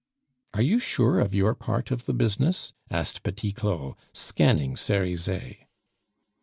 "Are you sure of your part of the business?" asked Petit Claud, scanning Cerizet.